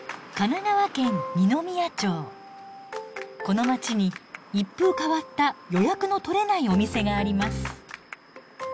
この街に一風変わった予約の取れないお店があります。